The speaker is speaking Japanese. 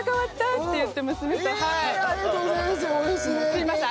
すみません